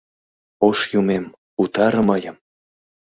Ош Юмем, утаре мыйым!